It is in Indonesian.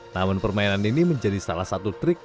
namun permainan ini menjadi salah satu trik